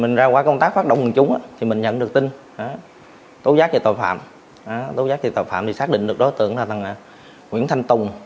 nói chung là tài phạm xác định được đối tượng nguyễn thanh tùng